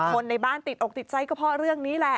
คนในบ้านติดอกติดใจก็เพราะเรื่องนี้แหละ